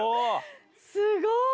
すごい。